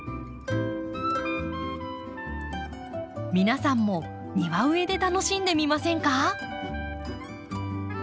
皆さんも庭植えで楽しんでみませんか？